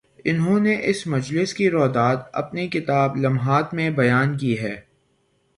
انہوں نے اس مجلس کی روداد اپنی کتاب "لمحات" میں بیان کی ہے۔